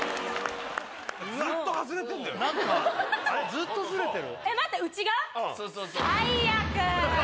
ずっとずれてる？